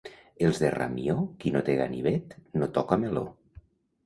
Els de Ramió, qui no té ganivet no toca meló.